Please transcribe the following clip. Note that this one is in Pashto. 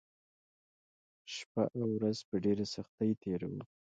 شپه او ورځ په ډېره سختۍ تېروو